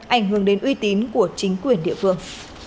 ảnh hưởng đến uy tín của chính quyền địa phương